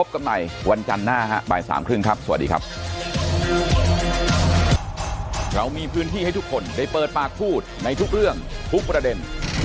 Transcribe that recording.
คุณผู้ชมครับวันนี้หมดเวลาของเปิดปากกับภาคคลุมเลยครับ